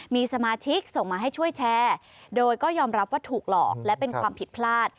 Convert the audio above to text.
มีสมาชิกส่งมาให้ช่วยแชร์โดยก็ยอมรับว่าถูกหลอกและเป็นความผิดพลาด